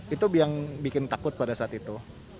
itu yang bikin takut pada saat itu